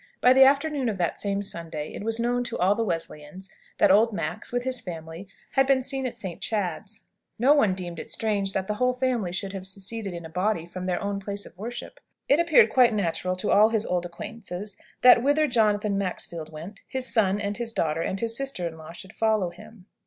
By the afternoon of that same Sunday it was known to all the Wesleyans that old Max, with his family, had been seen at St. Chad's. No one deemed it strange that the whole family should have seceded in a body from their own place of worship. It appeared quite natural to all his old acquaintances that, whither Jonathan Maxfield went, his son, and his daughter, and his sister in law should follow him.